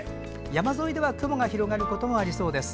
山沿いでは雲が広がることもありそうです。